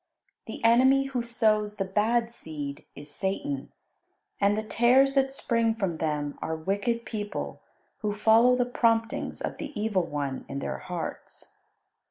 The enemy who sows the bad seed is Satan, and the tares that spring from them are wicked people who follow the promptings of the evil one in their hearts.